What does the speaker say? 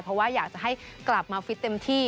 เพราะว่าอยากจะให้กลับมาฟิตเต็มที่